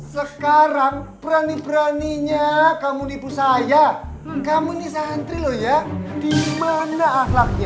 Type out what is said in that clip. sekarang berani beraninya kamu ibu saya kamu nih santri loh ya di mana akhlaknya